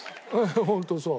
ホントそう。